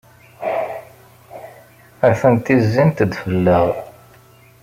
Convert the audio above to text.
Atenti zzint-d fell-aɣ.